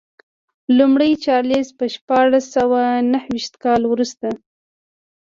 لومړی چارلېز په شپاړس سوه نهویشت کال وروسته.